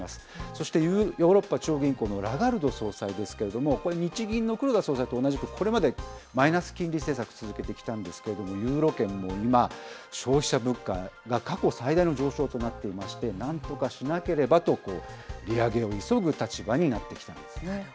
そしてヨーロッパ中央銀行のラガルド総裁ですけれども、これ、日銀の黒田総裁と同じく、これまでマイナス金利政策、続けてきたんですけれども、ユーロ圏も今、消費者物価が過去最大の上昇となっていまして、なんとかしなければと、利上げを急ぐ立場になってきたんですね。